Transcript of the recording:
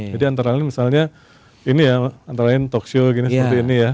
jadi antara lain misalnya ini ya antara lain talkshow seperti ini ya